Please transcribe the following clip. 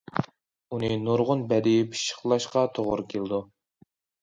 ئۇنى نۇرغۇن بەدىئىي پىششىقلاشقا توغرا كېلىدۇ.